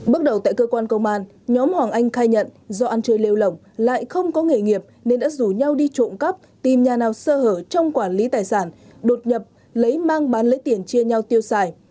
bước đầu tại cơ quan công an nhóm hoàng anh khai nhận do ăn chơi lêu lỏng lại không có nghề nghiệp nên đã rủ nhau đi trộm cắp tìm nhà nào sơ hở trong quản lý tài sản đột nhập lấy mang bán lấy tiền chia nhau tiêu xài